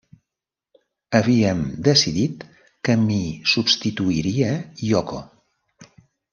Havíem decidit que m'hi substituiria Yoko.